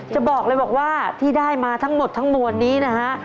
จะบอกเลยบอกว่าที่ได้มาทั้งหมดทั้งมวลนี้นะฮะ